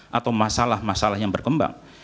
dan juga untuk mengakhiri masalah masalah yang berkembang